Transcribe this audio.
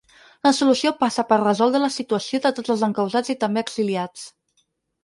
La solució passa per resoldre la situació de tots els encausats i també exiliats.